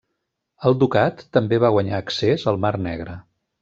El ducat també va guanyar accés al Mar Negre.